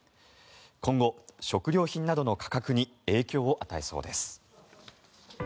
今後、食料品などの価格に影響を与えそうです。